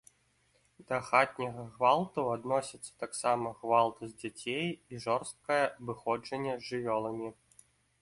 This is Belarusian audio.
Да хатняга гвалту адносяцца таксама гвалт з дзяцей і жорсткае абыходжанне з жывёламі.